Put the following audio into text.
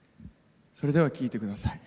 それでは聴いてください。